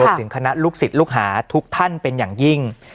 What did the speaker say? ถึงคณะลูกศิษย์ลูกหาทุกท่านเป็นอย่างยิ่ง